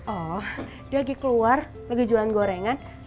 oh dia lagi keluar lagi jualan gorengan